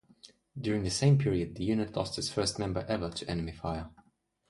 During the same period the unit lost its first member ever to enemy fire.